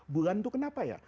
bulan itu kenapa ya